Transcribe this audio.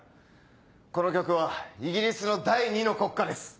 この曲はイギリスの第２の国歌です。